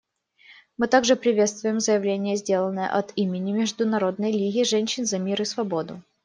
Мы также приветствуем заявление, сделанное от имени Международной лиги женщин за мир и свободу.